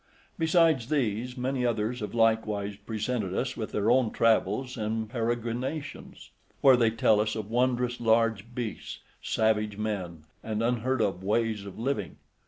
Besides these, many others have likewise presented us with their own travels and peregrinations, where they tell us of wondrous large beasts, savage men, and unheard of ways of living.